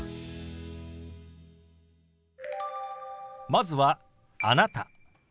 まずは「あなた」。